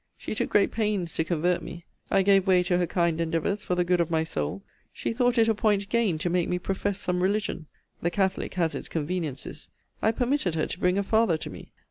She took great pains to convert me. I gave way to her kind endeavours for the good of my soul. She thought it a point gained to make me profess some religion. The catholic has its conveniencies. I permitted her to bring a father to me.